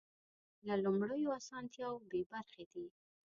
له لومړیو اسانتیاوو بې برخې دي.